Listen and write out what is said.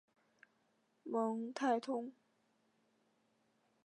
蒙泰通。